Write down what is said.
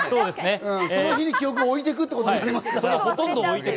その日に記憶をおいていくってことになりますから。